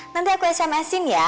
nanti aku sms in ya